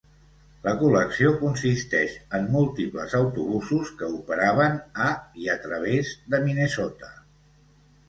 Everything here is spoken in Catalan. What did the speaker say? La col·lecció consisteix en múltiples autobusos que operaven a i a través de Minnesota.